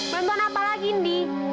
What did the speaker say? bantuan apa lagi sindi